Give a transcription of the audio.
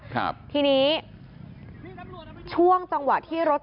กระทั่งตำรวจก็มาด้วยนะคะ